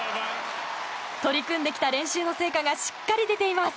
取り組んできた練習の成果がしっかり出ています。